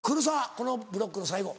このブロックの最後。